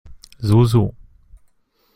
So, so.